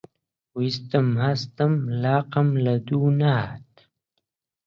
ویستم هەستم، لاقم لەدوو نەهات